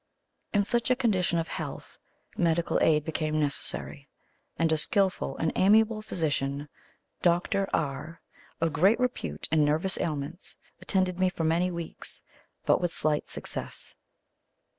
In such a condition of health, medical aid became necessary; and a skilful and amiable physician, Dr. R , of great repute in nervous ailments, attended me for many weeks, with but slight success.